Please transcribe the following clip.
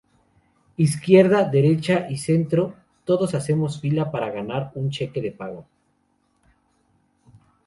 Izquierda, derecha y centro, todos hacemos fila para ganar un cheque de pago.